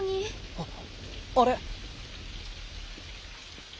あっあれ！